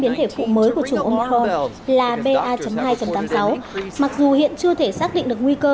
biến thể phụ mới của chủng omicron là ba hai tám mươi sáu mặc dù hiện chưa thể xác định được nguy cơ